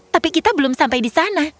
tapi kita belum sampai di sana